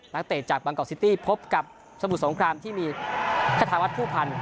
นักเตะจากบางกอกซิตี้พบกับสมุทรสงครามที่มีคาธาวัฒนผู้พันธ